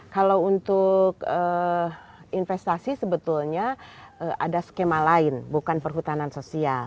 kalau untuk investasi sebetulnya ada skema lain bukan perhutanan sosial